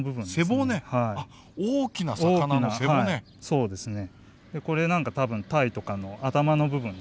そうですね。